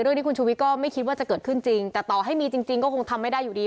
ที่คุณชุวิตก็ไม่คิดว่าจะเกิดขึ้นจริงแต่ต่อให้มีจริงก็คงทำไม่ได้อยู่ดี